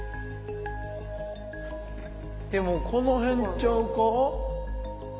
でもこの辺ちゃうか？